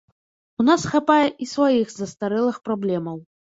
У нас хапае і сваіх, застарэлых праблемаў.